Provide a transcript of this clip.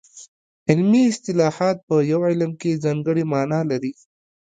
علمي اصطلاحات په یو علم کې ځانګړې مانا لري